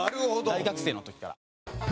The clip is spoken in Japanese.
大学生の時から。